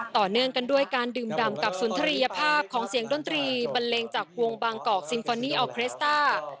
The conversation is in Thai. ต่อเนื่องกันด้วยการดื่มดำกับสุนทรียภาพของเสียงดนตรีบันเลงจากวงบางกอกซิมฟานีออเครสต้า